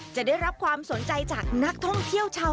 จะได้รับความสนใจจากนักท่องเที่ยวชาว